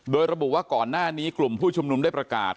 โดยระบุว่าก่อนหน้านี้กลุ่มผู้ชุมนุมได้ประกาศ